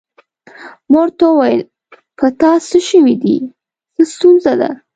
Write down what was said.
ما ورته وویل: په تا څه شوي دي؟ څه ستونزه ده؟